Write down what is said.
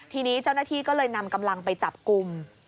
ทีนี้เจ้าหน้าที่ก็เลยนำกำลังไปจับกลุ่ม